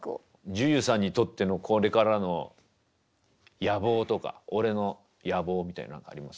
ＪＵＪＵさんにとってのこれからの野望とか「俺の野望」みたいの何かあります？